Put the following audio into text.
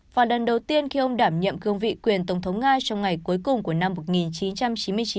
và lần đầu tiên khi ông đảm nhiệm cương vị quyền tổng thống nga trong ngày cuối cùng của năm một nghìn chín trăm chín mươi chín